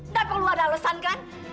nggak perlu ada alasan kan